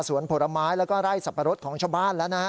ผลไม้แล้วก็ไร่สับปะรดของชาวบ้านแล้วนะฮะ